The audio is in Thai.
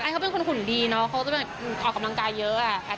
เขาเป็นคนขุนดีเขาออกกำลังกายเยอะ